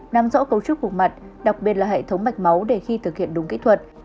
nằm rõ cấu trúc một mặt đặc biệt là hệ thống mạch máu để khi thực hiện đúng kỹ thuật